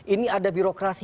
ini ada birokrasi